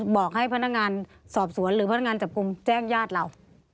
บอกให้พนักงานสอบสวนหรือพนักงานจับกลุ่มแจ้งญาติเรา